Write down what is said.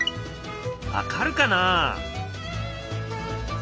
分かるかな？